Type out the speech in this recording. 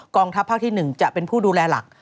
ทัพภาคที่๑จะเป็นผู้ดูแลหลัก